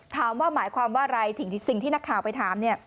ถามว่าหมายความว่าอะไรสิ่งที่นักข่าวไปถามเนี่ย